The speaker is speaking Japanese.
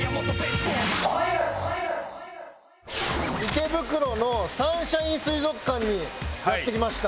池袋のサンシャイン水族館にやって来ました。